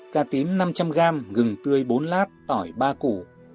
cà tím năm trăm linh g gừng tươi bốn lát tỏi ba củ